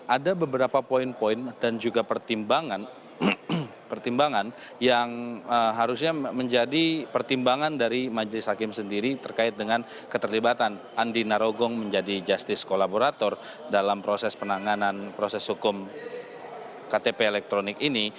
ada beberapa poin poin dan juga pertimbangan yang harusnya menjadi pertimbangan dari majelis hakim sendiri terkait dengan keterlibatan andi narogong menjadi justice kolaborator dalam proses penanganan proses hukum ktp elektronik ini